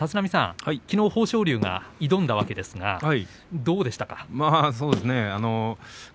きのう豊昇龍が挑んだわけですがどうでしたか。